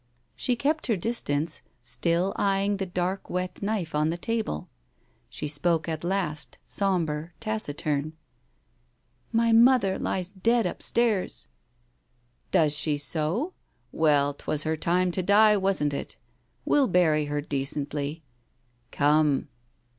She kept her distance, still eyeing the dark wet knife on the table. ... She spoke at last, sombre, taciturn. ... "My mother lies dead upstairs." "Does she so? Well, 'twas her time to die, wasn't it? We'll bury her decently. Come."